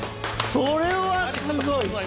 それはすごい！